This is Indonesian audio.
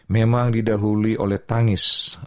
memang didahuli oleh tangis